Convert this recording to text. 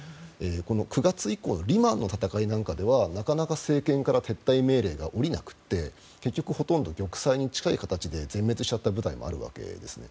９月以降、リマの戦いなんかではなかなか政権から撤退命令が下りなくて結局ほとんど玉砕に近い形で全滅してしまった部隊もあるんですね。